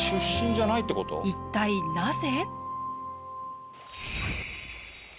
一体なぜ？